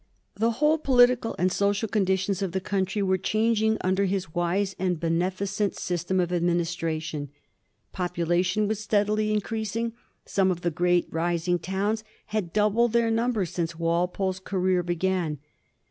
The whole poli tical and social conditions of the country were chang ing under Ijis wise and beneficent system of adminis tration. Population was steadily increasing ; some of the great rising towns had doubled their numbers since Walpole's career began.